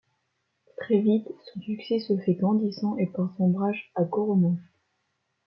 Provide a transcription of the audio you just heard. Très vite, son succès se fait grandissant et porte ombrage à Goronoff.